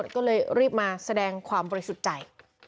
ก็เลยรีบมาแสดงความบริสุทธิ์ใจ